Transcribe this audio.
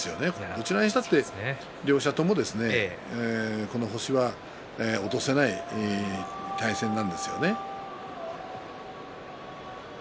どちらにしたって両者ともこの星は落とせない対戦なんですよね。